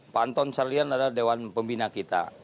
pak anton carlian adalah dewan pembina kita